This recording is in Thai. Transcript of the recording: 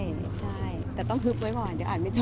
ใช่แต่ต้องฮึบไว้ก่อนเดี๋ยวอ่านไม่เจอ